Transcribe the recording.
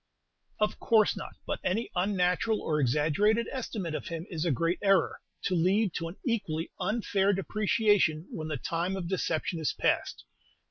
"Of course not; but any unnatural or exaggerated estimate of him is a great error, to lead to an equally unfair depreciation when the time of deception is past.